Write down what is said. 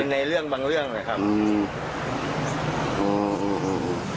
ในเรื่องบางเรื่องนะครับ